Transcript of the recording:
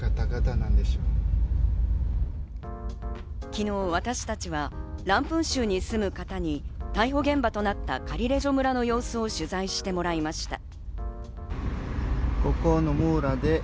昨日、私たちはランプン州に住む方に逮捕現場となったカリレジョ村の様子を取材してもらいました。